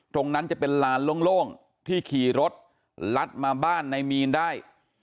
ตรงนั้นจะเป็นลานโล่งที่ขี่รถลัดมาบ้านในมีนได้